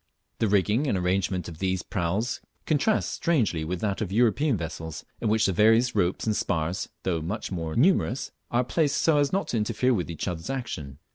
The rigging and arrangement of these praus contrasts strangely with that of European vessels, in which the various ropes and spars, though much more numerous, are placed so as not to interfere with each other's action.